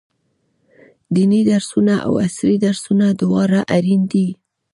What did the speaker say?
ديني درسونه او عصري درسونه دواړه اړين دي.